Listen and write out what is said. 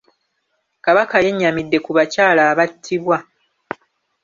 Kabaka yennyamidde ku bakyala abattibwa.